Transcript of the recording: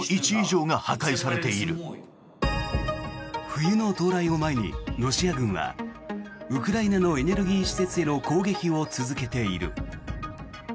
冬の到来を前にロシア軍はウクライナのエネルギー施設への攻撃を続けている。